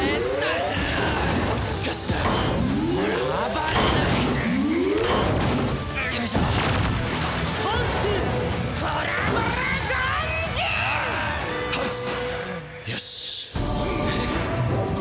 よし。